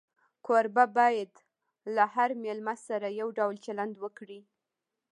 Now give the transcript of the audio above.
کوربه باید له هر مېلمه سره یو ډول چلند وکړي.